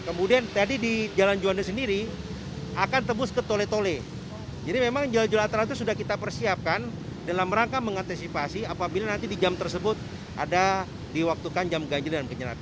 kemudian tadi di jalan juanda sendiri akan tebus ke tole tole jadi memang jalur jalan alternatif sudah kita persiapkan dalam rangka mengantisipasi apabila nanti di jam tersebut ada diwaktukan jam ganjil dan penyerapan